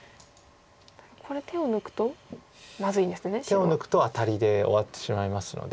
手を抜くとアタリで終わってしまいますので。